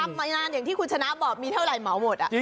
ทำมานานอย่างที่คุณฉันน้าบอกมีเท่าไหร่เบาหมด